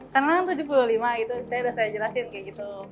kanan tujuh puluh lima gitu saya udah saya jelasin kayak gitu